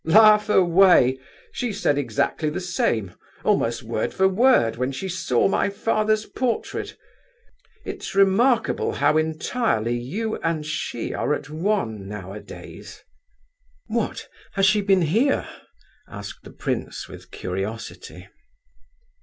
"Laugh away! She said exactly the same, almost word for word, when she saw my father's portrait. It's remarkable how entirely you and she are at one now a days." "What, has she been here?" asked the prince with curiosity.